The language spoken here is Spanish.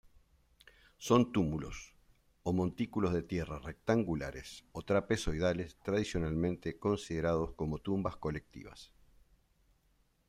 Son túmulos o montículos de tierra rectangulares o trapezoidales tradicionalmente considerados como tumbas colectivas.